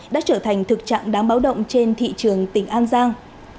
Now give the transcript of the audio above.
đã trở thành thực trạng đáng báo động trên thị trường tỉnh an giang